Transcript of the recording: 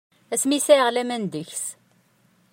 Asmi sɛiɣ laman deg-s.